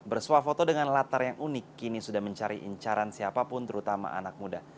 bersuah foto dengan latar yang unik kini sudah mencari incaran siapapun terutama anak muda